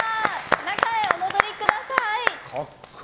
中へお戻りください。